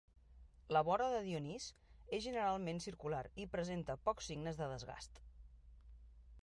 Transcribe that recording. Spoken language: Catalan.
La vora de Dionís és generalment circular i presenta pocs signes de desgast.